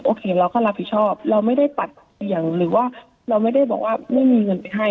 โอเคเราก็รับผิดชอบเราไม่ได้ปัดเสียงหรือว่าเราไม่ได้บอกว่าไม่มีเงินไปให้